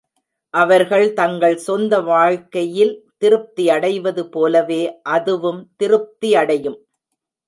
அவர்கள் தங்கள் சொந்த வாழ்க்கையில் திருப்தியடைவது போலவே அதுவும் திருப்தியடையும்.